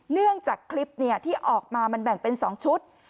เนื่องจากคลิปที่ออกมามันแบ่งเป็น๒ชุด